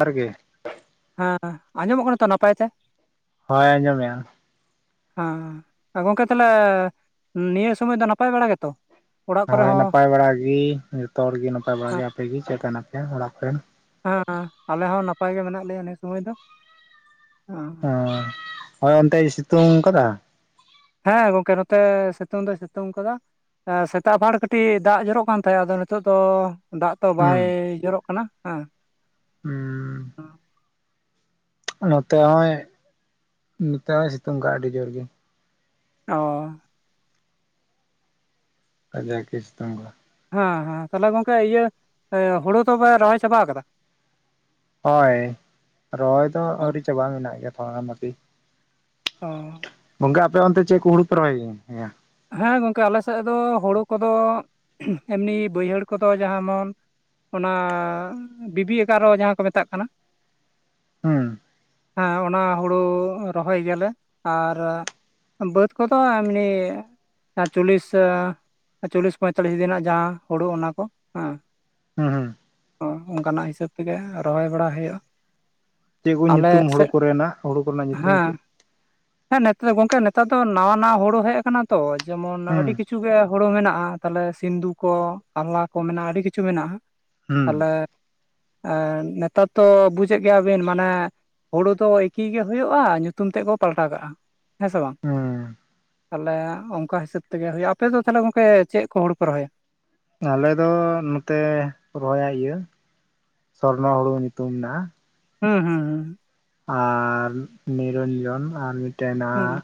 ᱡᱚᱦᱟᱨ ᱜᱮ ᱦᱮᱸ ᱟᱸᱡᱚᱢᱚᱜ ᱠᱟᱱᱟ ᱛᱚ ᱱᱟᱯᱟᱭ ᱛᱮ? ᱦᱳᱭ ᱟᱸᱡᱚᱢᱮᱭᱟ᱾ ᱦᱮᱸ ᱮ ᱜᱚᱝᱠᱮ ᱛᱟᱦᱚᱞᱮ ᱱᱤᱭᱟᱹ ᱥᱚᱢᱚᱭ ᱫᱚ ᱱᱟᱯᱟᱭ ᱵᱟᱲᱟ ᱜᱮᱛᱚ? ᱚᱲᱟᱜ ᱠᱚᱨᱮ ᱦᱳᱭ ᱦᱚᱸ ᱱᱟᱯᱟᱭ ᱵᱟᱲᱟ ᱜᱤ ᱡᱚᱛᱚ ᱦᱚᱲᱜᱮ ᱱᱟᱯᱟᱭ ᱵᱟᱲᱟ ᱦᱮᱸ ᱜᱮ ᱟᱯᱮ ᱜᱮ ᱪᱮᱫ ᱞᱮᱠᱟ ᱢᱮᱱᱟᱜᱯᱮᱭᱟ ᱚᱲᱟᱜ ᱨᱮᱱ? ᱦᱮᱸ ᱟᱞᱮ ᱦᱚᱸ ᱱᱟᱯᱟᱭ ᱜᱮ ᱢᱮᱱᱟᱜ ᱞᱮᱭᱟ ᱱᱤᱭᱟᱹ ᱥᱚᱢᱚᱭ ᱫᱚ ᱦᱮᱸ᱾ ᱚ ᱦᱳᱭ ᱚᱱᱛᱮᱭ ᱥᱤᱛᱩᱝ ᱟᱠᱟᱫᱟ? ᱦᱮᱸ ᱜᱚᱝᱠᱮ ᱱᱚᱛᱮ ᱥᱮᱛᱳᱝ ᱫᱚᱭ ᱥᱮᱛᱳᱝ ᱠᱟᱫᱟ ᱾ ᱥᱮᱛᱟᱜ ᱵᱟᱨ ᱠᱟᱹᱴᱤᱡ ᱫᱟᱜ ᱡᱚᱨᱚᱜ ᱠᱟᱱ ᱛᱟᱦᱮᱸᱫ, ᱟᱫᱚ ᱱᱤᱛᱚᱜ ᱫᱚ ᱫᱟᱜ ᱛᱚ ᱵᱟᱭ ᱦᱩᱸ ᱡᱚᱨᱚᱜ ᱠᱟᱱᱟ ᱦᱮᱸ ᱾ ᱦᱩᱸ ᱱᱚᱛᱮ ᱦᱚᱸᱭ ᱱᱚᱛᱮ ᱦᱚᱸᱭ, ᱥᱮᱛᱳᱝ ᱠᱟᱜᱼᱟ, ᱟᱹᱰᱤ ᱡᱳᱨ ᱜᱮ ᱾ ᱚᱸ᱾ ᱠᱟᱡᱟᱠ ᱮ ᱥᱮᱛᱳᱝ ᱠᱟᱜ ᱼᱟ ᱾ ᱦᱮᱸ ᱦᱮᱸ ᱛᱟᱦᱚᱞᱮ ᱜᱚᱝᱠᱮ ᱤᱭᱟᱹ, ᱦᱳᱲᱳ ᱫᱚᱯᱮ ᱨᱚᱦᱚᱭ ᱪᱟᱵᱟ ᱠᱟᱫᱟ? ᱦᱚᱭ ᱨᱚᱦᱚᱭ ᱫᱚ ᱟᱹᱣᱨᱤ ᱪᱟᱵᱟᱼᱟ, ᱢᱮᱱᱟᱜ ᱜᱮᱭᱟ ᱛᱷᱚᱲᱟᱜᱟᱱ ᱠᱟᱹᱴᱤᱡ ᱾ ᱚᱻ᱾ ᱜᱚᱝᱠᱮ ᱟᱯᱮ ᱚᱱᱛᱮ ᱪᱮᱫ ᱠᱚ, ᱦᱳᱲᱳ ᱯᱮ ᱨᱚᱦᱚᱭ ᱜᱮᱭᱟ? ᱦᱮᱸ ᱜᱚᱢᱠᱮ ᱟᱞᱮ ᱥᱮᱫ ᱫᱚ, ᱦᱳᱲᱳ ᱠᱚᱫᱚ ᱮᱢᱱᱤ ᱵᱟᱹᱭᱦᱟᱹᱲ ᱠᱚᱫᱚ, ᱡᱟᱦᱟᱢᱚᱱ ᱚᱱᱟ, ᱵᱤᱵᱤ ᱮᱜᱟᱨᱚ ᱡᱟᱦᱟᱸ ᱠᱚ ᱢᱮᱛᱟᱜ ᱠᱟᱱᱟ ᱾ ᱦᱩᱸ ᱦᱮᱸ ᱚᱱᱟ ᱦᱳᱲᱳ ᱨᱚᱦᱚᱭ ᱜᱮᱭᱟᱞᱮ ᱟᱨ ᱵᱟᱹᱛ ᱠᱚᱫᱚ ᱮᱢᱱᱤ ᱪᱚᱞᱞᱤᱥ ᱪᱚᱞᱞᱤᱥ ᱯᱚᱸᱭᱛᱟᱞᱞᱤᱥ ᱫᱤᱱ, ᱨᱮᱱᱟᱜ ᱡᱟᱦᱟᱸ ᱦᱩᱲᱩ ᱚᱱᱟ ᱠᱚ ᱦᱮᱸ᱾ ᱮᱦᱩᱸ ᱾ ᱚ ᱚᱱᱠᱟᱱᱟᱜ ᱦᱤᱥᱟᱹᱵ ᱛᱮᱜᱮ, ᱨᱚᱦᱚᱭ ᱵᱟᱲᱟ ᱦᱳᱭᱳᱜᱼᱟ ᱾ ᱪᱮᱫ ᱠᱚ ᱧᱩᱛᱩᱢ ᱦᱳᱲᱳ ᱠᱚᱨᱮᱱᱟᱜ, ᱦᱳᱲᱳ ᱠᱚᱨᱮᱱᱟᱜ ᱧᱩᱛᱩᱢ ᱦᱮᱸ ᱪᱮᱫ? ᱦᱮᱸ ᱱᱮᱛᱟᱨ ᱫᱚ ᱜᱚᱝᱠᱮ ᱱᱮᱛᱟᱨ ᱫᱚ, ᱱᱟᱣᱟ ᱱᱟᱣᱟ ᱦᱳᱲᱳ ᱦᱮᱡ ᱠᱟᱱᱟ ᱛᱚ, ᱡᱮᱢᱚᱱ ᱦᱩᱸ ᱟᱹᱰᱤ ᱠᱤᱪᱷᱩ᱾ ᱠᱤᱪᱷᱩ ᱜᱮ ᱦᱳᱲᱳ ᱢᱮᱱᱟᱜᱼᱟ, ᱛᱟᱦᱚᱞᱮ ᱥᱤᱱᱫᱩ ᱠᱚ ᱟᱞᱞᱟ ᱠᱚ ᱢᱮᱱᱟᱜᱼᱟ, ᱟᱹᱰᱤ ᱠᱤᱪᱷᱩ ᱢᱮᱱᱟᱜᱼᱟ ᱾ ᱦᱩᱸ ᱛᱟᱦᱚᱞᱮ ᱱᱮᱛᱟᱨ ᱫᱚ ᱵᱩᱡᱮᱫ ᱜᱮᱭᱟ ᱵᱤᱱ, ᱢᱟᱱᱮ ᱦᱳᱲᱳ ᱫᱚ ᱮᱠᱤ ᱜᱮ ᱦᱳᱭᱳᱜᱼᱟ, ᱧᱩᱛᱩᱢ ᱛᱮᱜ ᱠᱚ ᱯᱟᱞᱴᱟᱣ ᱠᱟᱜᱼᱟ, ᱦᱮᱸ ᱥᱮ ᱵᱟᱝ? ᱦᱩᱸ ᱛᱟᱦᱚᱞᱮ ᱚᱱᱠᱟ ᱦᱤᱥᱟᱹᱵᱽ ᱛᱮᱜᱮ ᱦᱳᱭᱳᱜᱼᱟ, ᱟᱯᱮ ᱫᱚ ᱛᱟᱦᱚᱞᱮ ᱜᱚᱝᱠᱮ ᱪᱮᱫ ᱠᱚ ᱦᱳᱲᱳ ᱯᱮ ᱨᱚᱦᱚᱭᱟ? ᱟᱞᱮ ᱫᱚ ᱱᱚᱛᱮ ᱨᱚᱦᱚᱭᱟ ᱤᱭᱟᱹ, ᱥᱚᱨᱱᱚ ᱦᱳᱲᱳ ᱧᱩᱛᱩᱢ ᱢᱮᱱᱟᱜᱼᱟ ᱾ ᱦᱩᱸ, ᱦᱩᱸ, ᱦᱩᱸ ᱾ ᱟᱨ ᱱᱤᱨᱚᱧᱡᱚᱱ ᱟᱨ ᱢᱤᱫᱴᱮᱱ ᱦᱩᱸ ᱢᱮᱱᱟᱜᱼᱟ᱾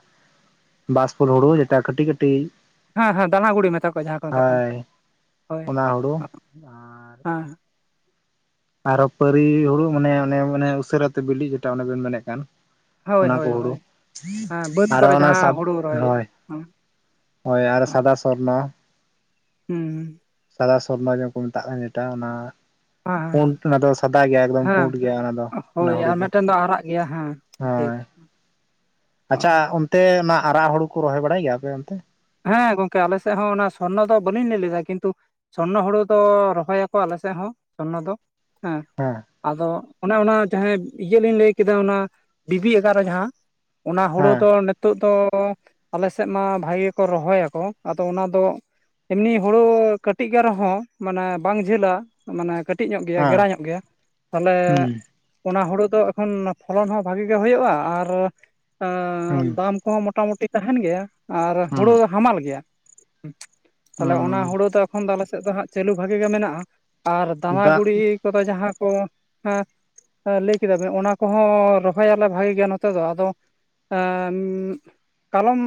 ᱵᱟᱥ ᱯᱷᱚᱞ ᱦᱳᱲᱳ ᱡᱮᱴᱟ ᱠᱟᱹᱴᱤᱡ ᱠᱟᱹᱴᱤᱡ᱾ ᱦᱮᱸ ᱦᱮᱸ ᱫᱟᱱᱟ ᱜᱩᱲᱤ ᱢᱮᱛᱟ ᱠᱚᱣᱟ, ᱡᱟᱦᱟᱸ ᱠᱚ ᱢᱮᱛᱟᱜ ᱠᱟᱱᱟ, ᱦᱳᱭ ᱦᱳᱭ ᱚᱱᱟ ᱦᱩᱲᱩ ᱟᱨ ᱦᱮᱸ᱾ ᱟᱨᱚ ᱯᱟᱹᱨᱤ ᱦᱩᱲᱩ ᱢᱟᱱᱮ ᱚᱱᱮ ᱩᱥᱟᱹᱨᱟ ᱛᱮ, ᱵᱤᱞᱤ ᱡᱮᱴᱟ ᱚᱱᱮ ᱵᱮᱱ ᱢᱮᱱᱮᱫ ᱠᱟᱱ᱾ ᱦᱳᱭ ᱚᱱᱟ ᱠᱚ ᱦᱳᱭ ᱦᱳᱲᱳ, ᱦᱳᱭ ᱦᱮᱸ ᱵᱟᱹᱫᱽ ᱟᱨᱚ ᱠᱚᱨᱮ ᱚᱱᱟ ᱡᱟᱦᱟᱸ ᱥᱟᱵ ᱦᱩᱲᱩ ᱨᱚᱦᱚᱭ ᱦᱩᱭᱩᱜᱼᱟ ᱦᱚᱭ᱾ ᱦᱮᱸ ᱦᱚᱭ ᱟᱨᱚ ᱥᱟᱫᱟ ᱥᱚᱨᱱᱚ᱾ ᱦᱩᱸ᱾ ᱥᱟᱫᱟ ᱥᱚᱨᱱᱚ ᱡᱟᱦᱟ ᱠᱚ ᱢᱮᱛᱟᱜ ᱠᱟᱱ ᱡᱮᱴᱟ ᱚᱱᱟ᱾ ᱯᱩᱸᱰ ᱦᱮᱸ ᱚᱱᱟ ᱫᱚ ᱥᱟᱫᱟ ᱜᱮᱭᱟ ᱦᱮᱸ ᱮᱠᱫᱚᱢ ᱦᱮᱸ, ᱯᱩᱸᱰ ᱜᱮᱭᱟ ᱚᱱᱟ ᱫᱚ ᱚᱱᱟ ᱦᱳᱭ ᱦᱩᱲᱩ ᱟᱨ ᱢᱤᱫᱴᱮᱱ ᱫᱚ ᱟᱨᱟᱜ᱾ ᱜᱮᱭᱟ ᱦᱮᱸ ᱴᱷᱤᱠ᱾ ᱦᱳᱭ ᱚ ᱟᱪᱪᱷᱟ ᱚᱱᱛᱮ ᱚᱱᱟ ᱟᱨᱟᱜ ᱦᱳᱲᱳ ᱠᱚ, ᱨᱚᱦᱚᱭ ᱵᱟᱲᱟᱭ ᱜᱮᱭᱟᱯᱮ ᱚᱱᱛᱮ? ᱦᱮᱸ ᱜᱚᱝᱠᱮ ᱟᱞᱮ ᱥᱮᱫ ᱦᱚᱸ ᱚᱱᱟ, ᱥᱚᱨᱱᱚ ᱫᱚ ᱵᱟᱹᱞᱤᱧ ᱞᱟᱹᱭ ᱞᱮᱫᱟ ᱠᱤᱱᱛᱩ ᱥᱚᱨᱱᱚ ᱦᱳᱲᱳ ᱫᱚ ᱨᱚᱦᱚᱭ ᱟᱠᱚ, ᱟᱞᱮ ᱥᱮᱫ ᱦᱚ ᱥᱚᱨᱱᱚ ᱫᱚ ᱦᱮ᱾ ᱦᱮᱸ, ᱟᱫᱚ ᱚᱱᱮ ᱚᱱᱟ ᱡᱟᱦᱟᱸ ᱤᱭᱟᱹ ᱞᱤᱧ ᱞᱟᱹᱭ ᱠᱮᱫᱟ, ᱚᱱᱟ ᱵᱤᱵᱤ ᱟᱜᱟᱨ ᱨᱮ ᱡᱟᱦᱟᱸ᱾ ᱚᱱᱟ ᱦᱳᱲᱳ ᱦᱮᱸ ᱫᱚ ᱱᱤᱛᱚᱜ ᱫᱚ, ᱟᱞᱮ ᱥᱮᱫ ᱢᱟ ᱵᱷᱟᱹᱜᱮ ᱠᱚ ᱨᱚᱦᱚᱭᱟᱠᱚ ᱟᱫᱚ ᱚᱱᱟ ᱫᱚ᱾ ᱮᱢᱱᱤ ᱦᱳᱲᱳ ᱠᱟᱹᱴᱤᱡ ᱜᱟᱱ ᱨᱮᱦᱚᱸ, ᱢᱟᱱᱮ ᱵᱟᱝ ᱡᱷᱟᱹᱞᱟ᱾ ᱢᱟᱱᱮ ᱠᱟᱹᱴᱤᱡ ᱧᱚᱜ ᱜᱮᱭᱟ ᱜᱮᱲᱟ ᱦᱮᱸ ᱧᱚᱜ ᱜᱮᱭᱟ, ᱛᱟᱦᱚᱞᱮ ᱦᱩᱸ ᱚᱱᱟ ᱦᱩᱲᱩ ᱫᱚ ᱮᱠᱷᱚᱱ ᱯᱷᱚᱞᱚᱱ ᱦᱚᱸ ᱵᱷᱟᱜᱤ ᱜᱮ ᱦᱩᱭᱩᱜᱼᱟ ᱟᱨ ᱦᱩᱸ ᱟᱸᱻ ᱫᱟᱢ ᱠᱚᱦᱚᱸ ᱢᱚᱴᱟᱢᱩᱴᱤ ᱛᱟᱦᱮᱸᱱ ᱜᱮᱭᱟ ᱟ ᱦᱩᱸ ᱦᱳᱲᱳ ᱫᱚ ᱦᱟᱢᱟᱞ ᱜᱮᱭᱟ, ᱛᱟᱦᱚᱞᱮ ᱚᱱᱟ ᱦᱩᱸ ᱦᱳᱲᱳ ᱫᱚ ᱮᱠᱷᱚᱱ ᱫᱚ ᱟᱞᱮ ᱥᱮᱫ ᱫᱚ ᱦᱟᱸᱜ ᱪᱟᱹᱞᱩ ᱵᱷᱟᱜᱤ ᱜᱮ ᱢᱮᱱᱟᱜᱼᱟ, ᱟᱨ ᱫᱟᱢᱟ ᱫᱟᱜ ᱜᱩᱲᱤ ᱠᱚᱫᱚ ᱡᱟᱦᱟᱸ ᱠᱚ ᱮᱸ ᱞᱟᱹᱭ ᱠᱮᱫᱟ ᱵᱤᱱ ᱚᱱᱟ ᱠᱚᱦᱚᱸ ᱨᱚᱦᱚᱭᱟᱞᱮ ᱵᱷᱟᱜᱮ ᱜᱮᱭᱟ ᱱᱚᱛᱮ ᱫᱚ ᱟᱫᱚ ᱮᱸᱻᱢ, ᱠᱟᱞᱚᱢ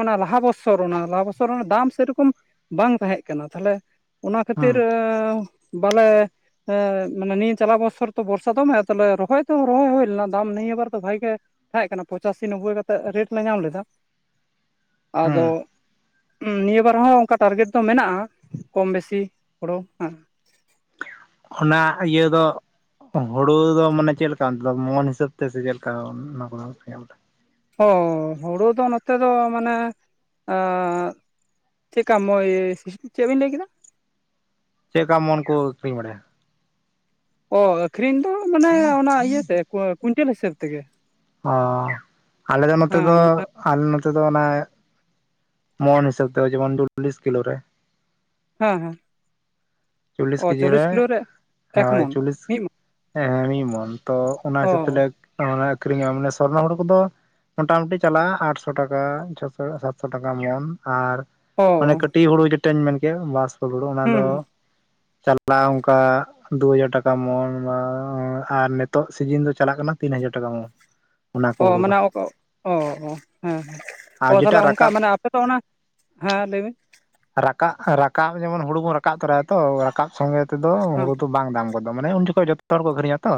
ᱚᱱᱟ ᱞᱟᱦᱟ ᱵᱚᱥ ᱥᱚᱨ ᱚᱱᱟ ᱞᱟᱦᱟ ᱵᱚᱥᱚᱨ ᱚᱱᱟ ᱫᱟᱢ ᱥᱮᱨᱚᱠᱚᱢ ᱵᱟᱝ ᱛᱟᱦᱮᱸᱜ ᱠᱟᱱᱟ ᱛᱟᱦᱚᱞᱮ ᱚᱱᱟ ᱦᱩᱸ ᱠᱷᱟᱹᱛᱤᱨᱻ ᱵᱟᱞᱮ ᱮᱸᱻ ᱢᱟᱱᱮ ᱱᱤᱭᱟᱹ ᱪᱟᱞᱟᱣ ᱵᱚᱪᱷᱚᱨ ᱛᱚ ᱵᱚᱨᱥᱟ ᱫᱚᱢᱮ ᱛᱟᱦᱚᱞᱮ ᱨᱚᱦᱚᱭ ᱫᱚ ᱨᱚᱦᱚᱭ ᱦᱩᱭ ᱞᱮᱱᱟ ᱫᱟᱢ ᱱᱤᱭᱟᱹ ᱵᱟᱨ ᱫᱚ ᱵᱷᱟᱜᱮ ᱜᱮ ᱛᱟᱦᱮᱸᱜ ᱠᱟᱱᱟ ᱯᱚᱸᱪᱟᱥᱤ ᱱᱚᱵᱵᱳᱭ ᱠᱟᱛᱮᱫ ᱨᱮᱴ ᱞᱮ ᱧᱟᱢ ᱞᱮᱫᱟ᱾ ᱟᱫᱚ ᱦᱩᱸ ᱱᱤᱭᱟᱹ ᱵᱟᱨ ᱦᱚᱸ ᱚᱝᱠᱟ ᱴᱟᱨᱜᱮᱴ ᱫᱚ ᱢᱮᱱᱟᱜᱼᱟ ᱠᱚᱢ ᱵᱮᱥᱤ ᱦᱳᱲᱳ ᱦᱮᱸ᱾ ᱚᱱᱟ ᱤᱭᱟᱹ ᱫᱚ ᱦᱳᱲᱳ ᱫᱚ ᱢᱟᱱᱮ ᱪᱮᱫ ᱞᱮᱠᱟ ᱚᱱᱛᱮ ᱫᱚ ᱢᱚᱱ ᱦᱤᱥᱟᱹᱵ ᱛᱮ ᱥᱮ ᱪᱮᱫ ᱞᱮᱠᱟ ᱚᱱᱟ ᱠᱚ ᱧᱮᱞ ᱮᱫᱟ? ᱚᱻ ᱦᱳᱲᱳ ᱫᱚ ᱱᱚᱛᱮ ᱫᱚ ᱢᱟᱱᱮ ᱮᱸᱻ ᱪᱮᱫᱠᱟ ᱢᱚᱭᱻ ᱪᱮᱫ ᱵᱤᱱ ᱞᱟᱹᱭ ᱠᱮᱫᱟ? ᱪᱮᱜᱠᱟ ᱢᱚᱱ ᱠᱚ ᱟᱹᱠᱷᱨᱤᱧ ᱵᱟᱲᱟᱭᱟ? ᱚ ᱟᱹᱠᱷᱨᱤᱧ ᱫᱚ ᱢᱟᱱᱮ ᱚᱱᱟ ᱤᱭᱟᱹ ᱛᱮ ᱠᱚ ᱠᱩᱭᱤᱱᱴᱮᱞ ᱦᱤᱥᱟᱹᱵ ᱛᱮᱜᱮ᱾ ᱚᱻ ᱟᱞᱮ ᱫᱚ ᱱᱚᱛᱮ ᱫᱚ ᱦᱮᱸ ᱟᱞᱮ ᱱᱚᱛᱮ ᱫᱚ ᱚᱱᱮ, ᱢᱚᱱ ᱦᱤᱥᱟᱹᱵ ᱛᱮ ᱡᱮᱢᱚᱱ ᱪᱚᱞᱞᱤᱥ ᱠᱤᱞᱳ ᱨᱮ᱾ ᱦᱮᱸ ᱦᱮᱸ, ᱚ ᱪᱚᱞᱞᱤᱥ ᱠᱤᱞᱳ ᱨᱮ ᱮᱠ ᱦᱳᱭ ᱢᱚᱱ᱾ ᱪᱚᱞᱞᱤᱥ ᱢᱤᱫ ᱢᱚᱱ ᱦᱮᱸ ᱦᱮᱸ ᱢᱤᱜ ᱢᱚᱱ ᱛᱚ ᱚᱱᱟ ᱚ ᱦᱤᱥᱟᱹᱵ ᱛᱮᱞᱮ ᱚ ᱢᱟᱱᱮ ᱟᱠᱷᱨᱤᱧᱚᱜ-ᱟ ᱢᱟᱱᱮ ᱥᱚᱨᱱᱚ ᱦᱚᱲᱩ ᱠᱚᱫᱚ ᱢᱟᱴᱟ ᱢᱩᱴᱤ ᱪᱟᱞᱟᱜᱼᱟ ᱟᱴᱥᱚ ᱴᱟᱠᱟ, ᱪᱷᱚᱥᱚ, ᱥᱟᱛᱥᱚ ᱴᱟᱠᱟ ᱢᱚᱱ ᱟᱨ ᱚ ᱚᱱᱮ ᱠᱟᱹᱴᱤᱡ ᱦᱩᱲᱩ ᱡᱮᱴᱟᱧ ᱢᱮᱱ ᱠᱮᱜ-ᱟ ᱵᱟᱥᱯᱚ ᱦᱩᱲᱩ ᱚᱱᱟ ᱫᱚ ᱦᱩᱸ ᱪᱟᱞᱟᱜ-ᱟ ᱚᱝᱠᱟ ᱫᱩᱦᱟᱡᱟᱨ ᱴᱟᱠᱟ ᱢᱚᱱ ᱢᱟᱻ ᱟᱨ ᱱᱤᱛᱚᱜ ᱥᱤᱡᱤᱱ ᱫᱚ ᱪᱟᱞᱟᱜ ᱠᱟᱱᱟ ᱛᱤᱱᱦᱟᱡᱟᱨ ᱴᱟᱠᱟ ᱢᱚᱱ᱾ ᱚᱱᱟ ᱠᱚ ᱚ ᱦᱩᱲᱩ ᱫᱚ ᱢᱟᱱᱮ, ᱚ ᱦᱮᱸ ᱦᱮᱸ, ᱟᱨ ᱚ ᱡᱮᱴᱟ ᱛᱟᱦᱚᱞᱮ ᱚᱝᱠᱟ ᱨᱟᱠᱟᱵ ᱢᱟᱱᱮ ᱟᱯᱮ ᱫᱚ ᱚᱱᱟ ᱦᱮᱸ ᱞᱟᱹᱭ [unintelligible] ᱨᱟᱠᱟᱵ ᱨᱟᱠᱟᱵ ᱡᱮᱢᱚᱱ ᱦᱩᱲᱩ ᱵᱚᱱ ᱨᱟᱠᱟᱵ ᱛᱚᱨᱟᱭᱟ ᱛᱚ ᱨᱟᱠᱟᱵ ᱥᱚᱸᱜᱮ ᱛᱮᱫᱚ ᱦᱮᱸ ᱦᱩᱲᱩ ᱫᱚ ᱵᱟᱝ ᱫᱟᱢ ᱜᱚᱫᱚᱜ ᱢᱟᱱᱮ ᱩᱱ ᱡᱚᱠᱷᱚᱱ ᱡᱚᱛᱚ ᱦᱚᱲ ᱠᱚ ᱟᱠᱠᱷᱨᱤᱤᱧᱟ ᱛᱚ,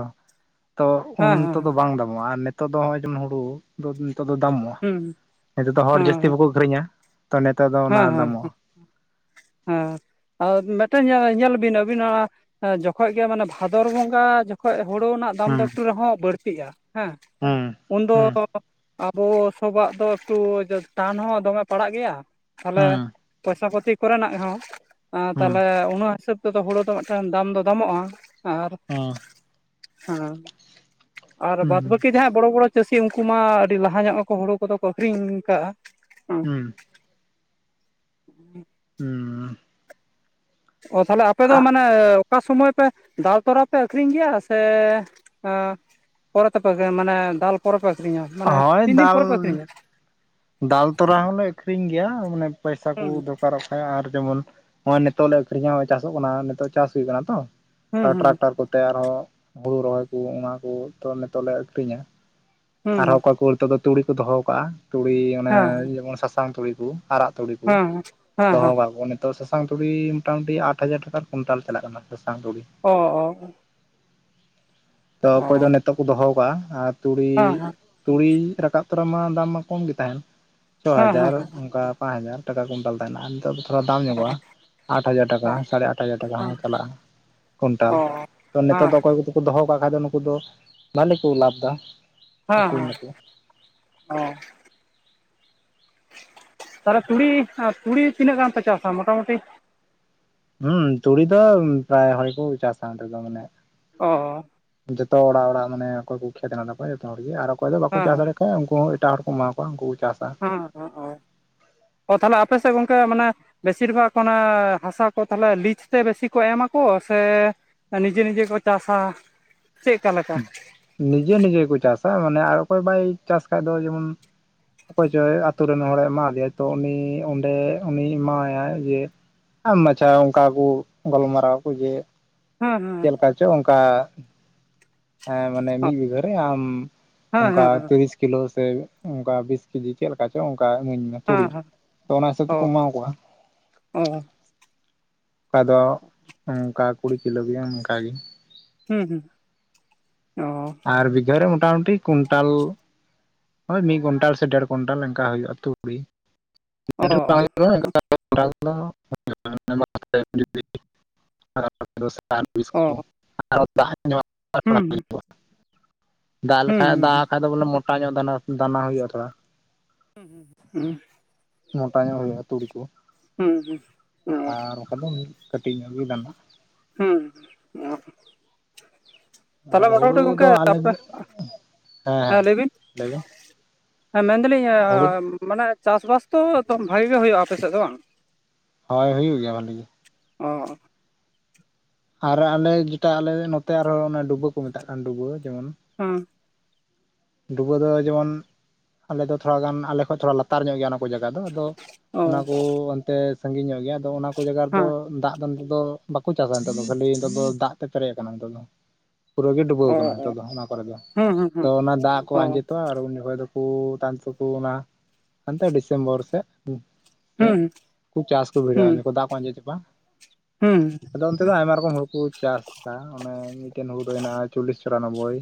ᱛᱚ ᱩᱱ ᱦᱮᱸ ᱛᱮ ᱦᱮᱸ ᱫᱚ ᱵᱟᱝ ᱫᱟᱢᱚᱜᱼᱟ ᱟᱨ ᱱᱮ ᱱᱤᱛᱚᱜ ᱫᱚ ᱦᱚᱸᱜ-ᱚᱭ ᱡᱮᱢᱚᱱ ᱦᱩᱲᱩ ᱱᱤᱛᱚᱜ ᱫᱚ ᱫᱟᱢᱚᱜᱼᱟ, ᱦᱩᱸ ᱱᱤᱛᱚᱜ ᱫᱚ ᱦᱚᱲ ᱡᱟᱹᱥᱛᱤ ᱵᱟᱠᱚ ᱟᱹᱠᱷᱨᱤᱧᱟ᱾ ᱛ ᱱᱮᱛᱚᱜ ᱫᱚ ᱚᱱᱟ ᱦᱮᱸ ᱦᱮᱸ ᱫᱟᱢᱚᱜᱼᱟ ᱦᱮᱸ, ᱦᱮᱸ ᱟᱫᱚ ᱢᱤᱫᱴᱮᱱ ᱧᱮ ᱧᱮᱞ ᱵᱤᱱ ᱟᱹᱵᱤᱱ ᱚᱱᱟ ᱡᱚᱠᱷᱚᱡ ᱜᱮ ᱢᱟᱱᱮ ᱵᱷᱟᱫᱚᱨ ᱵᱚᱸᱜᱟ ᱡᱚᱠᱷᱚᱡ ᱦᱳᱲᱳ ᱱᱟᱜ ᱫᱟᱢ ᱫᱚ ᱦᱩᱸ ᱮᱠᱴᱩ ᱨᱮᱦᱚᱸ ᱵᱟᱹᱲᱛᱤᱜᱼᱟ ᱦᱮᱸ, ᱦᱩᱸ ᱩᱱᱫᱚ ᱦᱩᱸ ᱟᱵᱚ ᱥᱚᱵᱟᱜ ᱫᱚ ᱮᱠᱴᱩ ᱴᱟᱱ ᱦᱚᱸ ᱫᱚᱢᱮ ᱯᱟᱲᱟᱜ ᱜᱮᱭᱟ, ᱛᱟᱦᱚᱞᱮ ᱦᱩᱸ ᱯᱚᱭᱥᱟ ᱯᱟᱛᱤ ᱠᱚᱨᱮᱱᱟᱜ ᱦᱚᱸ, ᱟᱸ ᱦᱩᱸ ᱛᱟᱦᱚᱞᱮ ᱚᱱᱟ ᱦᱤᱥᱟᱹᱵ ᱛᱮ ᱫᱚ ᱦᱳᱲᱳ ᱫᱚ ᱢᱤᱫᱴᱟᱝ ᱫᱟᱢ ᱫᱚ ᱫᱟᱢᱚᱜᱼᱟ, ᱟᱨ ᱦᱮᱸ ᱟᱨ ᱦᱩᱸ ᱵᱟᱫᱽ ᱵᱟᱹᱠᱤ ᱡᱟᱦᱟᱸᱭ ᱵᱚᱲᱚ ᱵᱚᱲᱚ ᱪᱟᱹᱥᱤ ᱩᱝᱠᱩ ᱢᱟ ᱟᱹᱰᱤ ᱞᱟᱦᱟ ᱧᱚᱜ ᱢᱟᱠᱚ ᱦᱳᱲᱳ ᱠᱚᱫᱚ ᱠᱚ ᱟᱠᱷᱨᱤᱧ ᱠᱟᱜᱼᱟ᱾ ᱦᱩᱸ᱾ [inaudible] ᱦᱩᱸᱻ᱾ ᱚ ᱛᱟᱦᱚᱞᱮ ᱟᱯᱮ ᱫᱚ ᱢᱟᱱᱮ ᱚᱠᱟ ᱥᱚᱢᱚᱭ ᱯᱮ ᱫᱟᱞ ᱛᱚᱨᱟ ᱯᱮ ᱟᱹᱠᱷᱨᱤᱧ ᱜᱮᱭᱟ ᱥᱮ ᱯᱚᱨᱮ ᱛᱮᱯᱮ ᱜᱮ ᱢᱟᱱᱮ ᱫᱟᱞ ᱯᱚᱨᱮ ᱯᱮ ᱟᱹᱠᱷᱨᱤᱧᱟ, ᱢᱟᱱᱮ ᱦᱳᱭ ᱛᱤᱱ ᱫᱤᱱ ᱫᱟᱞ ᱯᱚᱨᱮ ᱯᱮ ᱟᱹᱠᱷᱨᱤᱧᱟ? ᱫᱟᱞ ᱛᱚᱨᱟ ᱦᱚᱸᱞᱮ ᱟᱠᱷᱨᱤᱧ ᱜᱮᱭᱟ ᱢᱟᱱᱮ ᱯᱚᱭᱥᱟ ᱠᱚ ᱦᱩᱸ ᱫᱚᱨᱠᱟᱨᱚᱜ ᱠᱷᱟᱡ ᱟᱨ ᱡᱮᱢᱚᱱ ᱦᱚᱜᱼᱚᱭ ᱱᱤᱛᱚᱜ ᱞᱮ ᱟᱹᱠᱷᱨᱤᱧᱟ ᱦᱚᱸᱜ-ᱚᱭ ᱪᱟᱥᱚᱜ ᱠᱟᱱᱟ ᱱᱤᱛᱚᱜ ᱪᱟᱥ ᱦᱩᱭᱩ ᱠᱟᱱᱟ ᱛᱚ᱾ ᱦᱩᱸ ᱦᱩᱸ ᱴᱨᱟᱠᱴᱟᱨ ᱠᱚᱛᱮ ᱟᱨᱦᱚᱸ ᱦᱩᱲᱩ ᱨᱚᱦᱚᱭ ᱠᱚ ᱚᱱᱟ ᱠᱚ ᱛᱚ ᱱᱤᱛᱚᱜ ᱞᱮ ᱟᱠᱷᱨᱤᱧᱟ᱾ ᱦᱩᱸ ᱟᱨᱦᱚᱸ ᱚᱠᱚᱭ ᱠᱚᱦᱚᱲ ᱛᱚ ᱫᱚ ᱛᱩᱲᱤ ᱠᱚ ᱫᱚᱦᱚ ᱠᱟᱜᱼᱟ᱾ ᱛᱩᱲᱤ ᱚᱱᱮ ᱦᱮᱸ ᱡᱮᱢᱚᱱ ᱥᱟᱥᱟᱝ ᱛᱩᱲᱤ ᱠᱚ᱾ ᱟᱨᱟᱜ ᱛᱩᱲᱤ ᱠᱚ ᱦᱮᱸ ᱦᱮᱸ ᱫᱚᱦᱚᱣ ᱦᱮᱸ ᱠᱟᱜ ᱠᱚ ᱚᱱᱮ ᱛᱚ ᱥᱟᱥᱟᱝ ᱛᱩᱲᱤ ᱢᱚᱴᱟᱢᱩᱴᱤ ᱟᱴ ᱦᱟᱡᱟᱨ ᱴᱟᱠᱟ ᱠᱩᱭᱱᱴᱟᱞ ᱪᱟᱞᱟᱜ ᱠᱟᱱᱟ ᱥᱟᱥᱟᱝ ᱛᱩᱲᱤ᱾ ᱚ ᱚ᱾ ᱛᱚ ᱚ ᱚᱠᱚᱭ ᱫᱚ ᱱᱤᱛᱚᱜ ᱠᱚ ᱫᱚᱦᱚᱣ ᱠᱟᱜ-ᱟ ᱟᱨ ᱛᱩᱲᱤ ᱛᱩᱲᱤ ᱨᱟᱠᱟᱵ ᱛᱚᱨᱟ ᱢᱟ ᱫᱟᱢ ᱢᱟ ᱠᱚᱢ ᱜᱮ ᱛᱟᱦᱮᱱ ᱪᱷᱚ ᱦᱟᱡᱟᱨ ᱚᱱᱠᱟ ᱯᱟᱸᱪ ᱦᱟᱡᱟᱨ ᱴᱟᱠᱟ ᱠᱩᱭᱱᱴᱟᱞ ᱛᱟᱦᱮᱱᱟ ᱟᱨ ᱱᱤᱛᱚᱜ ᱫᱚ ᱥᱨᱦᱚ ᱫᱟᱢ ᱧᱚᱜᱚᱜᱼᱟ᱾ ᱟᱴ ᱦᱟᱡᱟᱨ ᱴᱟᱠᱟ, ᱥᱟᱲᱮ ᱟᱴ ᱦᱟᱡᱟᱨ ᱴᱟᱠᱟ ᱦᱚᱸ ᱪᱟᱞᱟᱜ-ᱟ᱾ ᱠᱩᱭᱱᱴᱟᱞ ᱛᱚ ᱱᱤᱛᱚᱜ ᱫᱚ ᱚᱠᱚᱭ ᱠᱚᱫᱚ ᱠᱚ ᱫᱚᱦᱚᱣ ᱠᱟᱜ ᱠᱷᱟᱡ ᱫᱚ ᱱᱩᱠᱩ ᱫᱚ ᱵᱷᱟᱞᱮ ᱠᱚ ᱞᱟᱵᱷ ᱫᱟ᱾ ᱦᱮᱸ ᱟᱹᱠᱷᱨᱤᱧ ᱦᱮᱸ ᱫᱟᱠᱚ ᱚ᱾ ᱛᱟᱦᱞᱮ ᱛᱩᱲᱤ ᱛᱩᱲᱤ ᱛᱤᱱᱟᱹᱜ ᱜᱟᱱ ᱯᱮ ᱪᱟᱥᱟ ᱢᱚᱴᱟᱢᱩᱴᱤ? ᱦᱩᱸ ᱛᱩᱲᱤ ᱫᱚ ᱯᱨᱟᱭ ᱦᱚᱭᱠᱚ ᱪᱟᱥᱟ ᱚᱱᱛᱮ ᱫᱚ ᱢᱟᱱᱮ᱾ ᱚ᱾ ᱡᱚᱛᱚ ᱚᱲᱟᱜ ᱚᱲᱟᱜ ᱢᱟᱱᱮ ᱚᱠᱚᱭ ᱠᱚ ᱠᱷᱮᱛ ᱦᱮᱱᱟᱜ ᱛᱟᱠᱚᱣᱟ ᱡᱚᱛᱚ ᱦᱚᱲᱜᱮ ᱟᱨ ᱚᱠᱚᱭ ᱫᱚ ᱵᱟᱠᱚ ᱦᱮᱸ ᱪᱟᱥ ᱦᱮᱸ ᱫᱟᱲᱮᱭᱟᱜ ᱦᱚᱸ ᱩᱱᱠᱩ ᱦᱚᱸ ᱮᱴᱟᱜ ᱦᱚᱲ ᱠᱚ ᱮᱢᱟᱣᱟᱣ ᱠᱚᱣᱟ ᱩᱱᱠᱩ ᱠᱚ ᱪᱟᱥᱟ᱾ ᱦᱚᱸ ᱚᱸ ᱚ᱾ ᱚ ᱛᱟᱦᱚᱞᱮ ᱟᱯᱮ ᱥᱮᱫ ᱜᱚᱝᱠᱮ ᱢᱟᱱᱮ ᱵᱮᱥᱤᱨ ᱵᱷᱟᱜᱽ ᱚᱱᱟ ᱦᱟᱥᱟ ᱠᱚ ᱛᱟᱦᱞᱮ ᱞᱤᱡ ᱛᱮ ᱵᱮᱥᱤ ᱠᱚ ᱮᱢᱟᱠᱚ ᱥᱮ ᱮ ᱱᱤᱡᱮ ᱱᱤᱡᱮ ᱠᱚ ᱪᱟᱥᱟ ᱪᱮᱫᱠᱟ ᱞᱮᱠᱟ? ᱱᱤᱡᱮ ᱱᱤᱡᱮ ᱜᱮᱠᱚ ᱪᱟᱥᱟ ᱢᱟᱱᱮ ᱟᱨ ᱚᱠᱚᱭ ᱵᱟᱭ ᱪᱟᱥ ᱠᱷᱟᱡ ᱫᱚ ᱡᱮᱢᱚᱱ ᱚᱠᱚᱭ ᱪᱚᱭ ᱟᱛᱳ ᱨᱮᱱ ᱦᱚᱲᱮ ᱮᱢᱟᱫᱮᱭᱟ ᱛᱚ ᱩᱱᱤ ᱚᱸᱰᱮ ᱩᱱᱤ ᱮᱢᱟᱣᱟᱭᱟᱭ ᱡᱮ ᱟᱢ ᱢᱟᱪᱷᱟᱣ ᱚᱱᱠᱟ ᱠᱚ ᱜᱟᱞᱢᱟᱨᱟᱣ ᱟᱠᱚ ᱡᱮ ᱦᱮᱸ ᱦᱮᱸ᱾ ᱠᱟ ᱪᱚ ᱚᱱᱠᱟ ᱮᱸ ᱢᱟᱱᱮ ᱢᱤᱫ ᱵᱤᱜᱷᱟᱹ ᱨᱮ ᱟᱢ ᱦᱮᱸ ᱚᱱᱠᱟ ᱦᱮᱸ ᱛᱤᱨᱤᱥ ᱠᱤᱞᱳ ᱥᱮ ᱚᱱᱠᱟ ᱵᱤᱥ ᱠᱮᱡᱤ ᱪᱮᱫ ᱞᱮᱠᱟ ᱪᱚ ᱚᱱᱠᱟ ᱤᱢᱟᱹᱧ ᱢᱮ᱾ ᱛᱩᱲᱤ ᱦᱮᱸ ᱦᱮᱸ ᱛᱚ ᱚᱱᱟ ᱦᱤᱥᱟᱹᱵ ᱛᱮᱠᱚ ᱚ ᱮᱢᱟ ᱠᱚᱣᱟ ᱚ᱾ ᱠᱟᱫᱚ ᱚᱱᱠᱟ ᱠᱩᱲᱤ ᱠᱤᱞᱳ ᱜᱮ ᱚᱱᱠᱟᱜᱮ᱾ ᱦᱩᱸ ᱦᱩᱸ ᱚ᱾ ᱟᱨ ᱵᱤᱜᱷᱟᱹ ᱨᱮ ᱢᱚᱴᱟᱢᱩᱴᱤ ᱠᱩᱭᱱᱴᱟᱞ ᱳᱭ ᱢᱤᱫ ᱠᱩᱭᱱᱴᱟᱞ ᱥᱮ ᱰᱮᱲ ᱠᱩᱭᱱᱴᱟᱞ ᱮᱱᱠᱟ ᱦᱩᱭᱩᱜᱼᱟ ᱛᱩ ᱚ [unintelligible] [unintelligible] ᱚ ᱦᱩᱸ [unintelligible] ᱫᱟᱜ ᱦᱩᱸ ᱞᱮᱠᱷᱟᱡ ᱦᱩᱸ ᱫᱟᱜ-ᱟᱜ ᱠᱷᱟᱡ ᱫᱚ ᱵᱚᱞᱮ ᱢᱚᱴᱟ ᱧᱚᱜ ᱫᱟᱱᱟ ᱫᱟᱱᱟ ᱦᱩᱭᱩᱜᱼᱟ ᱛᱷᱚᱲᱟ᱾ ᱦᱩᱸ ᱦᱩᱸ ᱦᱩᱸ᱾ ᱢᱚᱴᱟ ᱧᱚᱜ ᱦᱩᱭᱩᱜᱼᱟ ᱛᱩᱲᱤ ᱠᱚ ᱦᱩᱸ ᱦᱩᱸ ᱟᱨ ᱵᱟᱠᱷᱟᱱ ᱫᱚ ᱢᱤᱫ ᱠᱟᱹᱴᱤᱡ ᱧᱚᱜ ᱜᱮ ᱫᱟᱱᱟ-ᱟ᱾ ᱦᱩᱸ ᱦᱩᱸ ᱚ᱾ ᱛᱟᱦᱚᱞᱮ ᱟᱨ ᱦᱩᱲᱩ ᱢᱳᱴᱟᱢᱩᱴᱤ ᱜᱚᱢᱠᱮ ᱫᱚ ᱟᱞᱮ ᱟᱯᱮ ᱦᱮᱸ ᱦᱮᱸ ᱞᱟᱹᱭ ᱵᱤᱱ? ᱞᱟᱹᱭᱵᱮᱱ ᱦᱮᱸ ᱢᱮᱱᱫᱟᱞᱤᱧ ᱦᱩᱲᱩ ᱢᱟᱱᱮ ᱪᱟᱥᱼᱵᱟᱥ ᱛᱚ ᱫᱚᱢ ᱵᱷᱟᱜᱮ ᱜᱮ ᱦᱩᱭᱩᱜᱼᱟ ᱟᱯᱮ ᱥᱮᱫ ᱫᱚ ᱵᱟᱝ? ᱦᱳᱭ ᱦᱩᱭᱩᱜ ᱜᱮᱭᱟ ᱵᱷᱟᱹᱞᱤ ᱜᱮ᱾ ᱚ᱾ ᱟᱨ ᱟᱞᱮ ᱡᱮᱴᱟ ᱟᱞᱮ ᱱᱚᱛᱮ ᱟᱨᱦᱚ ᱚᱱᱟ ᱰᱩᱵᱟᱹ ᱠᱚ ᱢᱮᱛᱟᱜ ᱠᱟᱱ ᱰᱩᱵᱟᱹ ᱡᱮᱢᱚᱱ ᱦᱩᱸ᱾ ᱰᱩᱵᱟᱹ ᱫᱚ ᱡᱮᱢᱚᱱ ᱟᱞᱮ ᱫᱚ ᱛᱷᱚᱲᱟ ᱜᱟᱱ ᱟᱞᱮ ᱠᱷᱚᱱ ᱛᱷᱚᱲᱟ ᱞᱟᱛᱟᱨ ᱧᱚᱜ ᱜᱮᱭᱟ ᱚᱱᱟ᱾ ᱯᱟᱹ ᱡᱟᱜᱟ ᱫᱚ ᱟᱫᱚ ᱚ ᱚᱱᱟ ᱠᱚ ᱚᱱᱛᱮ ᱥᱟᱺᱜᱤᱧ ᱧᱚᱜ ᱜᱮᱭᱟ ᱟᱫᱚ ᱚᱱᱟ ᱠᱚ ᱡᱟᱭᱜᱟ ᱨᱮᱫᱚ ᱦᱮᱸ ᱫᱟᱜᱼᱼ ᱟᱫᱚ ᱱᱤᱛ ᱫᱚ ᱵᱟᱠᱚ ᱪᱟᱥᱟ ᱱᱤᱛᱚᱜ ᱫᱚ ᱠᱷᱟᱹᱞᱤ ᱱᱤᱛᱚᱜ ᱫᱚ ᱫᱟᱜ ᱛᱮ ᱯᱮᱨᱮᱡ ᱟᱠᱟᱱᱟ ᱱᱤᱛᱚᱜ ᱫᱚ᱾ ᱯᱩᱨᱟᱹ ᱜᱮ ᱰᱩᱵᱟᱹᱣ ᱚ ᱟᱠᱟᱱᱟ ᱚ ᱱᱤᱛᱚᱜ ᱫᱚ ᱚᱱᱟ ᱠᱚᱨᱮ ᱫᱚ ᱦᱩᱸ ᱦᱩᱸ ᱛᱚ ᱦᱩᱸ ᱚᱱᱟ ᱫᱟᱜ ᱠᱚ ᱚ ᱟᱸᱡᱮᱫᱚᱜᱼᱟ ᱟᱨ ᱩᱱ ᱡᱚᱠᱷᱟᱭ ᱫᱚᱼᱼ ᱠᱩ [unintelligible] ᱚᱱᱟ ᱚᱱᱛᱮ ᱰᱤᱥᱮᱢᱵᱚᱨ ᱥᱮ᱾ ᱦᱩᱸ ᱪᱮᱫ ᱦᱩᱸ ᱠᱦᱩᱵ ᱪᱟᱥ ᱠᱚ ᱦᱩᱸ ᱵᱷᱤᱲᱟᱹᱣᱮᱱ ᱩᱱᱡᱚᱠᱷᱟᱱ ᱫᱟᱜ ᱠᱚ ᱟᱸᱡᱮᱫ ᱪᱟᱵᱟᱜᱼᱟ ᱦᱩᱸ ᱟᱫᱚᱼᱼ ᱚᱱᱛᱮ ᱫᱚ ᱟᱭᱢᱟ ᱨᱚᱠᱚᱢ ᱦᱩᱲᱩ ᱠᱚ ᱪᱟᱥᱟ ᱚᱱᱮ ᱢᱤᱫᱴᱮᱱ ᱦᱩᱲᱩ ᱫᱚ ᱦᱮᱱᱟᱜᱼᱟ ᱪᱚᱞᱞᱤᱥ ᱪᱳᱨᱟᱱᱳᱵᱵᱳᱭ᱾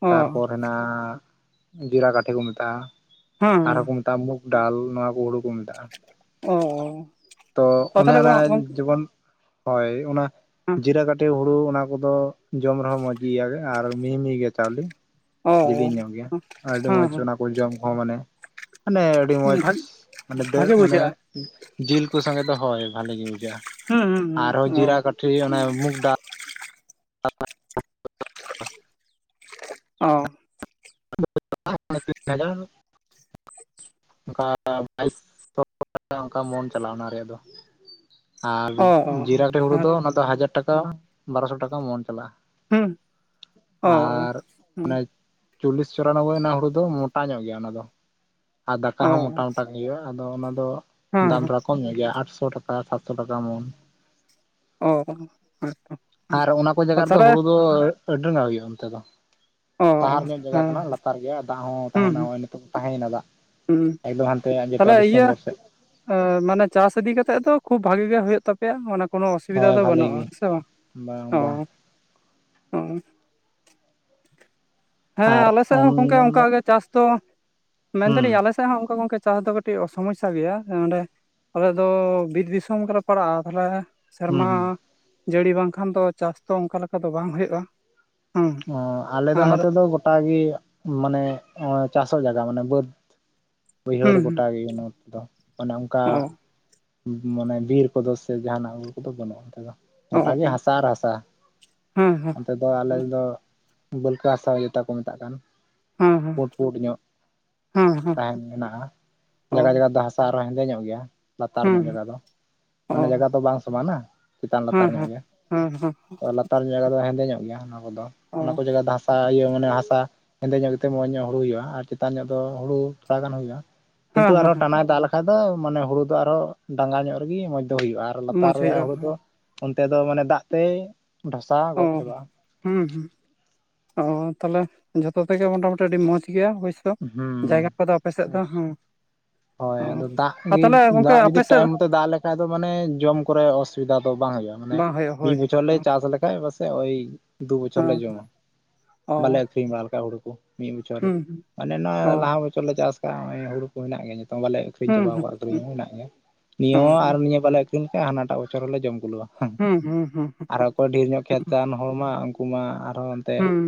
ᱚ ᱛᱟᱨᱯᱚᱨ ᱦᱮᱱᱟᱜ-ᱟ ᱡᱤᱨᱟᱠᱟᱴᱷᱮ ᱠᱚ ᱢᱮᱛᱟᱜᱼᱟ ᱦᱮᱸ ᱦᱮᱸ ᱟᱨᱦᱚᱸᱠᱚ ᱛᱟᱢᱩᱠ ᱰᱟᱞ ᱱᱚᱣᱟ ᱠᱚ ᱦᱩᱲᱩᱼᱼ ᱠᱚ ᱢᱮᱛᱟᱜᱼᱟ ᱚ ᱛᱚ ᱚ ᱚᱱᱮ ᱛᱟᱦᱚᱞᱮ ᱚᱱᱟ ᱜᱚᱝᱠᱮ ᱡᱮᱢᱚᱱᱼᱼ ᱦᱳᱭ ᱚᱱᱟ ᱡᱤᱨᱟᱠᱟᱴᱤ ᱦᱩᱲᱩ ᱚᱱᱟᱼᱼ ᱠᱚᱫᱚ ᱡᱚᱢ ᱨᱮᱦᱚᱸ ᱢᱚᱡᱽ ᱜᱮᱭᱟ, ᱟᱨ ᱢᱤᱦᱤᱼᱢᱤᱦᱤ ᱜᱮᱭᱟ ᱪᱟᱣᱞᱮ᱾ ᱚ ᱡᱮᱞᱤᱧ ᱧᱚᱜ ᱜᱮᱭᱟ ᱟᱹᱰᱤ ᱦᱮᱸ ᱢᱚᱸᱡᱽ ᱚᱱᱟ ᱠᱚ ᱡᱚᱢ ᱠᱚᱦᱚᱸ ᱢᱟᱱᱮ ᱢᱟᱱᱮ ᱟᱹᱰᱤ ᱢᱚᱡᱽ᱾ ᱦᱮᱸ ᱢᱟᱱᱮ ᱫᱟᱹᱜ ᱵᱷᱟᱜᱮ ᱚᱱᱮ ᱵᱩᱡᱷᱟᱹᱜᱼᱟ ᱡᱤᱞ ᱠᱚ ᱥᱚᱸᱜᱮ ᱫᱚ ᱦᱳᱭ ᱵᱷᱟᱞᱮ ᱜᱮ ᱵᱩᱡᱷᱟᱹᱜᱼᱟ᱾ ᱦᱩᱸ ᱦᱩᱸ ᱦᱩᱸ ᱚ᱾ ᱴᱷᱤᱜᱮᱭᱟ ᱚᱱᱮ ᱢᱩᱠᱰᱟᱞᱼᱼ [unintelligible] ᱚᱻ᱾ [unintelligible] ᱚᱱᱠᱟ ᱵᱟᱭᱤᱥ [unintelligible] ᱚᱱᱠᱟ ᱢᱚᱱ ᱪᱟᱞᱟᱣᱱᱟ ᱟᱨᱮᱭᱟᱜ ᱫᱚ᱾ ᱟᱨ ᱚ ᱚ ᱚ ᱡᱤᱨᱟᱠᱟᱴᱷᱤ ᱦᱩᱲᱩ ᱫᱚ ᱚᱱᱟ ᱫᱚ ᱦᱟᱡᱟᱨ ᱴᱟᱠᱟ ᱵᱟᱨᱚᱥᱚ ᱴᱟᱠᱟ ᱢᱚᱱ ᱪᱟᱞᱟᱜᱼᱟ᱾ ᱦᱩᱸ ᱚ ᱟᱨ ᱟᱱᱮᱼᱼ ᱪᱚᱞᱞᱤᱥ ᱪᱚᱨᱟᱱᱚᱵᱵᱳᱭ ᱨᱮᱱᱟᱜ ᱦᱩᱲᱩ ᱫᱚ ᱢᱚᱴᱟ ᱧᱚᱜ ᱜᱮᱭᱟ ᱚᱱᱟ ᱫᱚ᱾ ᱟᱨ ᱫᱟᱠᱟ ᱚ ᱦᱚᱸ ᱢᱚᱴᱟ ᱢᱚᱴᱟ ᱜᱮᱭᱟ ᱟᱫᱚ ᱚᱱᱟ ᱫᱚ ᱦᱮᱸ ᱫᱟᱢ ᱨᱮ ᱠᱚᱢ ᱧᱚᱜ ᱜᱮᱭᱟ ᱟᱴᱥᱚ ᱴᱟᱠᱟ᱾ ᱥᱟᱲᱮ ᱥᱟᱛᱥᱚ ᱴᱟᱠᱟ ᱢᱚᱱ᱾ ᱦᱮᱸ ᱟᱨ ᱚᱱᱟ ᱠᱚ ᱚ ᱡᱟᱭᱜᱟ ᱨᱮᱫᱚ ᱛᱟᱦᱚᱞᱮ ᱦᱩᱲᱩ ᱫᱚᱼᱼ ᱟᱸᱰᱤ ᱱᱟᱞᱟ ᱜᱮᱭᱟ ᱚᱱᱛᱮ ᱫᱚ ᱚ ᱛᱟᱦᱟᱨ ᱧᱚᱜ ᱡᱟᱭᱜᱟ ᱦᱮᱸ ᱠᱟᱱᱟ ᱞᱟᱛᱟᱨ ᱜᱮᱭᱟ ᱫᱟᱜ ᱦᱚᱸ ᱛᱟᱦᱮᱱᱟ ᱦᱚᱜ-ᱚᱭ ᱱᱤᱛᱚᱝ ᱛᱟᱦᱮᱸᱭᱮᱱᱟ ᱫᱟᱜ᱾ ᱦᱩᱸᱦᱩᱸ ᱮᱠᱫᱚᱢ ᱦᱟᱱᱛᱮ ᱟᱱᱡᱮᱫᱚᱜᱼᱟ ᱰᱤᱥᱮᱢᱵᱚᱨ ᱥᱮᱫ᱾ ᱮᱸ ᱢᱟᱱᱮ ᱪᱟᱥ ᱤᱫᱤ ᱠᱟᱛᱮᱜ ᱫᱚ ᱠᱷᱩᱵ ᱵᱷᱟᱜᱤ ᱜᱮ ᱦᱩᱭᱩᱜ ᱛᱟᱯᱮᱼᱼ ᱯᱮᱭᱟᱜ ᱚᱱᱟ ᱠᱳᱱᱳ ᱚᱥᱩᱵᱤᱫᱷᱟ ᱦᱳᱭ ᱫᱚ ᱵᱷᱟᱞᱮ ᱵᱟᱹᱱᱩᱜᱼᱟ ᱜᱮ ᱦᱮᱸ ᱥᱮ ᱵᱟᱝ ᱵᱟᱝ ᱵᱟᱝ ᱚ-ᱚ ᱦᱮᱸ ᱟᱞᱮᱥᱮᱫ ᱦᱚᱸ ᱜᱚᱢᱠᱮ ᱚᱱᱠᱟ ᱩᱱᱫᱚ ᱜᱮ ᱪᱟᱥ ᱫᱚ ᱦᱩᱸ ᱢᱮᱱᱫᱟᱞᱤᱧ ᱟᱞᱮ ᱥᱮᱫ ᱦᱚᱸ ᱚᱱᱠᱟ ᱜᱚᱢᱠᱮ ᱪᱟᱥ ᱫᱚ ᱠᱟᱹᱴᱤᱡ ᱥᱚᱢᱚᱥᱥᱟ ᱜᱮᱭᱟ ᱚᱸᱰᱮᱼᱼ ᱟᱞᱮ ᱫᱚ ᱵᱤᱨ ᱫᱤᱥᱚᱢ ᱜᱮᱞᱮ ᱯᱟᱲᱟᱜᱼᱟ ᱛᱟᱦᱚᱞᱮᱼᱼ ᱦᱩᱸ ᱥᱮᱨᱢᱟ ᱦᱩᱸ ᱡᱟᱹᱲᱤ ᱵᱟᱝᱠᱷᱟᱱ ᱫᱚ ᱪᱟᱥ ᱫᱚ ᱚᱱᱠᱟ ᱞᱮᱠᱟ ᱫᱚ ᱵᱟᱝ ᱦᱩᱭᱩᱜᱼᱟ᱾ ᱦᱮᱸ ᱚ ᱟᱞᱮ ᱫᱚ ᱟᱨ ᱱᱚᱛᱮ ᱫᱚ ᱜᱚᱴᱟᱜᱤ ᱢᱟᱱᱮ ᱦᱚᱜ-ᱚᱭ ᱪᱟᱥᱚᱜ ᱡᱟᱭᱜᱟ ᱢᱟᱱᱮ ᱵᱟᱹᱫ- ᱵᱟᱹᱭᱦᱟᱹᱲ ᱦᱩᱸ ᱦᱩᱸ ᱜᱚᱴᱟ ᱜᱮ ᱱᱚᱛᱮ ᱫᱚ ᱚᱱᱮ ᱚᱱᱠᱟᱼᱼ ᱚ ᱢᱟᱱᱮ ᱵᱤᱨ ᱠᱚᱫᱚ ᱥᱮ ᱡᱟᱦᱟᱱᱟᱜ ᱵᱩᱨᱩ ᱠᱚᱫᱚ ᱵᱟᱹᱱᱩᱜᱼᱟ ᱚᱱᱛᱮ ᱫᱚ᱾ ᱚ ᱜᱚᱴᱟ ᱜᱮ ᱚ ᱦᱟᱥᱟ ᱟᱨ ᱦᱟᱥᱟ ᱦᱮᱸ ᱦᱮᱸ ᱚᱱᱛᱮᱼᱼ ᱫᱚ ᱟᱞᱮ ᱫᱚ ᱵᱟᱹᱞᱠᱟᱹ ᱦᱟᱥᱟ ᱡᱚᱛᱟ ᱠᱚ ᱢᱮᱛᱟᱜ ᱠᱟᱱ᱾ ᱦᱮᱸ ᱦᱮᱸ ᱯᱩᱸᱰ ᱯᱩᱸᱰ ᱧᱚᱜ ᱦᱮᱸ ᱦᱮᱸ ᱛᱟᱦᱮᱱ ᱢᱮᱱᱟᱜᱼᱟ ᱚ ᱡᱟᱭᱜᱟ ᱡᱟᱭᱜᱟ ᱫᱚ ᱦᱟᱥ ᱟᱨᱦᱚᱸ ᱦᱮᱸᱫᱮ ᱧᱚᱜ ᱜᱮᱭᱟ᱾ ᱞᱟᱛᱟᱨ ᱧᱚᱜ ᱦᱮᱸ ᱡᱟᱭᱜᱟ ᱫᱚ ᱚ ᱢᱟᱱᱮ ᱡᱟᱭᱜᱟ ᱫᱚ ᱵᱟᱝ ᱥᱚᱢᱟᱱᱟ ᱪᱮᱛᱟᱱ ᱞᱟᱛᱟᱨ ᱦᱮᱸ ᱧᱚᱜ ᱦᱮᱸ ᱜᱮᱭᱟ᱾ ᱞᱟᱛᱟᱨ [unintelligible] ᱡᱟᱭᱜᱟ ᱫᱚ ᱦᱮᱸᱫᱮ ᱧᱚᱜ ᱜᱮᱭᱟ ᱚᱱᱟ ᱠᱚᱫᱚ, ᱚ ᱚᱱᱟ ᱠᱚ ‌ᱡᱟᱜᱟ ᱫᱚ ᱦᱟᱥᱼ ᱥᱟ ᱤᱭᱟᱹ ᱢᱟᱱᱮ ᱦᱟᱥᱟ ᱦᱮᱸᱫᱮ ᱧᱚᱜ ᱜᱮᱛᱮ ᱢᱚᱸᱡᱽ ᱧᱚᱜ ᱦᱩᱲᱩ ᱦᱩᱭᱩᱜ-ᱟ, ᱟᱨ ᱪᱮᱛᱟᱱ ᱧᱚᱜ ᱫᱚ ᱦᱩᱲᱩ ᱛᱷᱚᱲᱟ ᱜᱟᱱ ᱦᱩᱭᱩᱜ-ᱟ᱾ ᱠᱤᱱᱛᱩ ᱦᱮᱸ ᱦᱮᱸ ᱟᱨᱦᱚ ᱦᱮᱸ ᱴᱟᱱᱟᱭ ᱫᱟᱜ ᱞᱮᱠᱷᱟᱡ ᱫᱚ ᱢᱟᱱᱮ ᱦᱩᱲᱩ ᱫᱚ ᱟᱨᱦᱚ ᱰᱟᱸᱜᱟ ᱧᱚᱜ ᱨᱮᱜᱤ ᱢᱚᱸᱡᱽ ᱫᱚ ᱦᱩᱭᱩᱜ-ᱟ, ᱟᱨ ᱟᱨ ᱞᱟᱛᱟᱨ ᱢᱚᱡᱽ ᱨᱮᱭᱟᱜ ᱦᱩᱭᱩᱜᱼᱟ ᱦᱩᱲᱩ ᱫᱚ ᱚᱱᱛᱮ ᱫᱚ ᱢᱟᱱᱮ ᱫᱟᱜ ᱛᱮᱭ ᱰᱷᱟᱥᱟᱣ ᱚ ᱜᱚᱡ ᱪᱟᱵᱟᱜ-ᱟ᱾ ᱦᱩᱸ ᱦᱩᱸ ᱚ ᱛᱟᱦᱚᱞᱮ ᱡᱚᱛᱚ ᱛᱮᱜᱮ ᱢᱚᱴᱟᱼᱢᱩᱴᱤ ᱟᱹᱰᱤ ᱢᱚᱡᱽ ᱜᱮᱭᱟ ᱦᱳᱭ ᱥᱮ᱾ ᱛᱚ ᱡᱟᱭᱜᱟ ᱦᱩᱸ ᱠᱚᱫᱚ ᱟᱯᱮ ᱥᱮᱫ ᱫᱚ ᱦᱚᱸ᱾ ᱦᱚᱭ ᱟᱫᱚ ᱫᱟᱜ ᱜᱤ ᱫᱟᱜ ᱟᱯᱮ ᱡᱩᱫᱤ ᱥᱮᱫ ᱴᱟᱹᱭᱤᱢ ᱢᱚᱛᱚ ᱫᱟᱜ ᱞᱮᱠᱷᱟᱡ ᱫᱚ ᱢᱟᱱᱮ ᱡᱚᱢ ᱠᱚᱨᱮ ᱚᱥᱼ ᱥᱩᱵᱤᱫᱟ ᱫᱚ ᱵᱟᱝ ᱦᱩᱭᱩᱜ-ᱟ, ᱢᱟᱱᱮ ᱵᱟᱝ ᱦᱩᱭᱩᱜ ᱢᱤᱫ ᱦᱳᱭ ᱵᱚᱪᱷᱚᱨ ᱞᱮ ᱦᱮᱸ ᱪᱟᱥ ᱞᱮᱠᱷᱟᱡ ᱵᱟᱥᱮᱜ ᱳᱭᱼᱼ ᱫᱩ ᱵᱚᱪᱷᱚᱨ ᱞᱮ ᱡᱚᱢᱼᱟ, ᱚ ᱵᱟᱞᱮ ᱟᱹᱠᱷᱨᱤᱧ ᱵᱟᱲᱟ ᱞᱮᱠᱷᱟᱜ ᱦᱩᱲᱩ ᱠᱚ ᱢᱤᱜ ᱵᱚᱪᱷᱚᱨ ᱨᱮ᱾ ᱦᱩᱸ ᱢᱟᱱᱮ ᱚ ᱱᱚᱜᱼᱚᱭ ᱞᱟᱦᱟ ᱵᱚᱪᱷᱚᱨ ᱞᱮ ᱪᱟᱥ ᱠᱟᱜ ᱦᱚᱸᱜ-ᱚᱸᱭ ᱦᱩᱲᱩ ᱠᱩ‌ ᱦᱮᱱᱟᱜ ᱜᱮᱭᱟ ᱧᱤᱛᱚᱝ ᱵᱟᱞᱮᱼᱼ ᱟᱹᱠᱷᱨᱤᱧ ᱦᱩᱸ ᱪᱟᱵᱟᱣ ᱦᱩᱸ ‌ᱠᱟᱜ-ᱟ ᱟᱹᱷᱨᱤᱧ ᱦᱚᱸ ᱦᱮᱸᱱᱟᱜ ᱜᱮᱭᱟ, ᱱᱤᱭᱟᱹ ᱚ ᱦᱚᱸ ᱟᱨ ᱱᱤᱭᱟᱹ ᱵᱟᱞᱮ ᱟᱹᱠᱷᱨᱤᱧ ᱞᱮᱠᱷᱟᱡ ᱦᱟᱱᱟ ᱴᱟᱜ ᱵᱚᱪᱷᱚᱨ ᱦᱚᱸᱞᱮ ᱡᱚᱢ ᱠᱩᱞᱟᱹᱣᱟ᱾ ᱦᱩᱸᱦ, ᱦᱩᱸ ᱦᱩᱸ ᱦᱩᱸ ᱟᱨ ᱚᱠᱚᱭ ᱰᱷᱮᱨ ᱧᱚᱜ ᱠᱷᱮᱛ ᱛᱟᱦᱮᱸᱱ ᱦᱚᱲ ᱢᱟ ᱩᱝᱠᱩ ᱢᱟ ᱟᱨ ᱦᱚᱸ ᱚᱼᱼ ᱛᱮᱜ ᱦᱩᱸ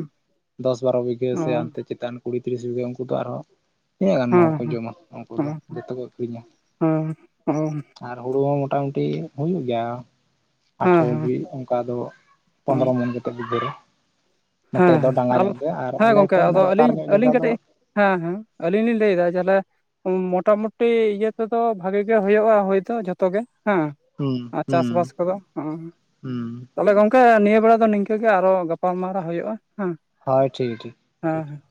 ᱫᱚᱥ ᱵᱟᱨᱚ ᱵᱤᱜᱷᱟᱹ ᱚ ᱥᱮ ᱦᱟᱱᱛᱮ ᱪᱮᱛᱟᱱ ᱠᱩᱲᱤ ᱛᱤᱨᱤᱥ ᱵᱤᱜᱷᱟᱹ ᱩᱝᱠᱩ ᱫᱚ ᱟᱨ ᱦᱚᱸᱼᱼ ᱛᱤᱱᱟᱹᱜ ᱜᱟᱱ ᱦᱚᱸᱲ ᱦᱮᱸ ᱠᱚ ᱦᱮᱸ ᱡᱚᱢᱟ ᱩᱝᱠᱩ ᱦᱮᱸ ᱚ ᱫᱚ ᱦᱮᱸ ᱡᱚᱛᱚ ᱠᱚ ᱟᱹᱠᱷᱨᱤᱧᱟ᱾ ᱦᱮᱸ ᱟᱨ ᱦᱩᱲᱩ ᱦᱚᱸ ᱢᱚᱴᱟᱼᱢᱩᱴᱤ ᱦᱩᱭᱩᱜ ᱜᱮᱭᱟ, ᱟᱴᱷᱨᱚ ᱦᱟᱹᱵᱤᱡ ᱚᱝᱠᱟ ᱫᱚ ᱚ ᱯᱚᱸᱫᱽᱨᱚ ᱢᱚᱱ ᱠᱟᱛᱮ ᱵᱤᱜᱷᱟᱹ ᱨᱮ᱾ ᱦᱮᱸ ᱱᱚᱛᱮ ᱫᱚ ᱦᱮᱸ ᱰᱟᱸᱜᱟ ᱟᱣᱚ ᱧᱚᱜ ᱜᱮ ᱟᱨ ᱦᱮᱸ ᱟᱞᱮ ᱜᱚᱝᱠᱮ ᱠᱷᱚᱱ ᱚᱱᱮ ᱟᱫᱚ ᱞᱟᱛᱟᱨ ᱟᱹᱞᱤᱧ ᱧᱚᱜ ᱟᱹᱞᱤᱧ ᱡᱟᱭᱜᱟ ᱫᱚ ᱠᱟᱹᱴᱤᱡᱼᱼ ᱦᱮᱸ ᱦᱮᱸ ᱟᱹᱞᱤᱧ ᱞᱤᱧ ᱞᱟᱹᱭ ᱮᱫᱟ ᱡᱟᱦᱮᱞᱮᱼᱼ ᱩᱸᱻ ᱢᱳᱴᱟᱼᱢᱩᱴᱤ ᱤᱭᱟᱹ ᱛᱮᱫᱚ ᱵᱷᱟᱜᱮ ᱜᱮ ᱦᱳᱭᱳᱜ-ᱟ, ᱦᱩᱭ ᱫᱚ ᱡᱷᱚᱛᱚ ᱜᱮ, ᱦᱮᱸ᱾ ᱦᱩᱸ ᱟ ᱦᱩᱸ ᱪᱟᱥᱼᱵᱟᱥ ᱠᱚᱫᱚ ᱦᱚᱸᱜᱻᱚᱸ᱾ ᱦᱩᱸ ᱛᱟᱦᱚᱞᱮ ᱜᱚᱝᱠᱮ ᱱᱤᱭᱟᱹ ᱵᱮᱲᱟ ᱫᱚ ᱱᱤᱝᱠᱟᱹ ᱜᱮ ᱟᱨᱦᱚ ᱜᱟᱯᱟᱞᱢᱟᱨᱟᱣ ᱦᱩᱭᱩᱜ-ᱟ ᱦᱮᱸ᱾ ᱦᱚᱭ ᱴᱷᱤᱠ ᱴᱷᱤᱠ᱾ ᱦᱮᱸ ᱴᱷᱤᱠ ᱦᱮᱸ᱾